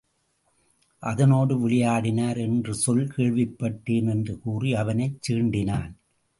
அதனோடு விளையாடினர் என்ற சொல் கேள்விப்பட்டேன் என்று கூறி அவனைச் சீண்டினான்.